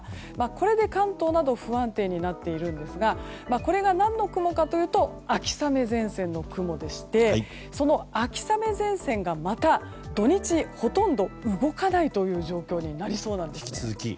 これで関東など不安定になっているんですがこれが何の雲かというと秋雨前線の雲でしてその秋雨前線がまた土日、ほとんど動かないという状況になりそうなんです。